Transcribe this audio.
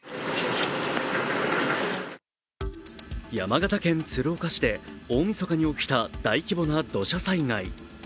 山形県鶴岡市で大みそかに起きた大規模な土砂災害。